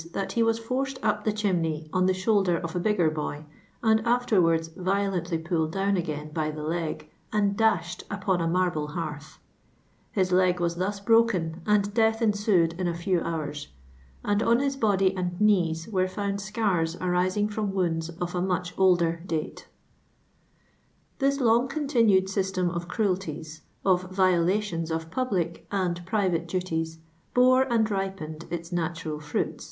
that h«' was forced up the chimneir on the slioMidiT iif a biifijer boy, and afterwards violently {■niii d (iowii aifiin by the leg and dashed upm a ni. .rliiH hiMrth ; his leg was thus br»k' n, and d v.th eiisii' ii in a f<w hours, and on his body and k:n"s v.iii* fiiund tears arising from wounds of a niurh i!«ler date." Thii lon;r continund system cif cruelties, of vio latimiN of publii* and private duties, bore and rip ii'. i its natural frnin.